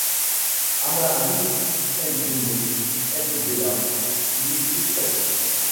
Amary Ngoné Ndella lui succède.